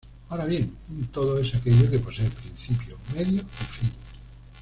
Ahora bien, un todo es aquello que posee principio, medio y fin.